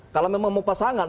kalau memang mau pasangan